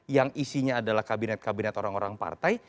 yang isinya adalah kabinet kabinet orang orang partai